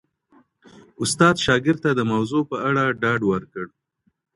استاد شاګرد ته د موضوع په اړه ډاډ ورکړ.